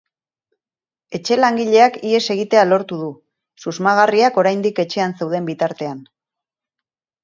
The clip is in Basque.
Etxe-langileak ihes egitea lortu du, susmagarriak oraindik etxean zeuden bitartean.